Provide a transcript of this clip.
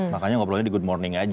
makanya gak perlu di good morning aja